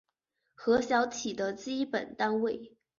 核小体的基本单位。